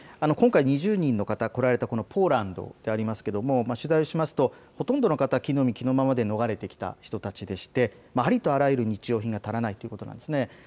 今回、２０人方、来られたポーランドでありますが取材をしますと、ほとんどの方、着のみ着のままで逃れてきた人たちでありとあらゆる日用品が足らないということなんです。